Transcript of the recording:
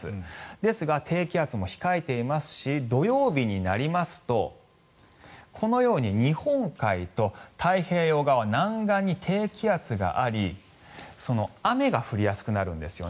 ですが、低気圧も控えていますし土曜日になりますと、このように日本海と太平洋側南岸に低気圧があり雨が降りやすくなるんですよね。